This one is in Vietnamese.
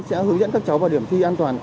sẽ hướng dẫn các cháu vào điểm thi an toàn